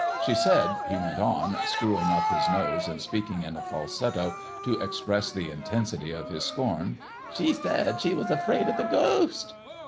She said," he went on, screwing up his nose and speaking in a falsetto to express the intensity of his scorn "she said she was afraid of the ghost."